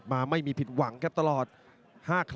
และแพ้๒๐ไฟ